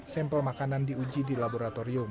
sampel makanan diuji di laboratorium